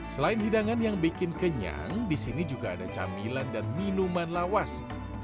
selain hidangan yang bikin kenyang di sini juga ada camilan dan minuman lawas